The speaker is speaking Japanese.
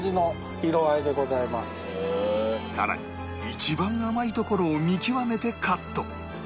さらに一番甘いところを見極めてカット